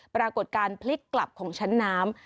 ปรากฏการณ์พลิกกลับของชั้นน้ำ